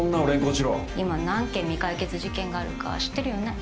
今何件未解決事件があるか知ってるよね？